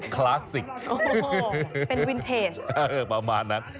คลาสสิกเป็นวินเทจประมาณนั้น